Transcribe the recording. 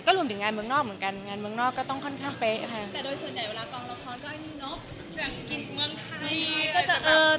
ก็รวมถึงงานเมืองนอกเหมือนกันงานเมืองนอกก็ต้องค่อนข้างเป๊ะ